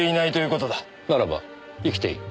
ならば生きている？